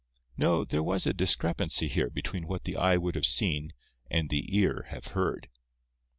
No, there was a discrepancy here between what the eye would have seen and the ear have heard.